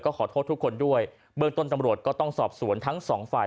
ขอโทษทุกคนด้วยเบื้องต้นตำรวจก็ต้องสอบสวนทั้งสองฝ่าย